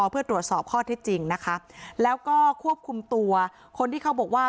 เพื่อตรวจสอบข้อที่จริงนะคะแล้วก็ควบคุมตัวคนที่เขาบอกว่า